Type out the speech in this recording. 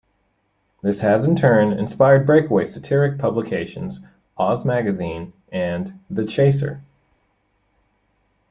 This has in turn inspired breakaway satiric publications "Oz Magazine" and "the Chaser".